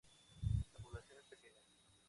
La población es pequeña.